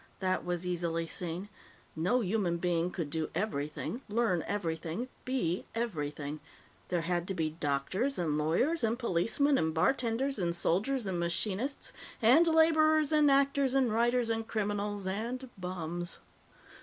That was easily seen. No human being could do everything, learn everything, be everything. There had to be doctors and lawyers and policemen and bartenders and soldiers and machinists and laborers and actors and writers and criminals and bums.